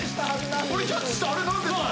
俺キャッチしてあれ何で？って。